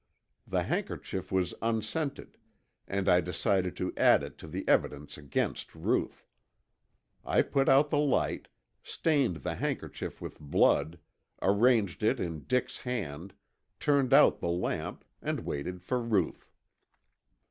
The handkerchief was unscented and I decided to add it to the evidence against Ruth. I put out the light, stained the handkerchief with blood, arranged it in Dick's hand, turned out the lamp, and waited for Ruth.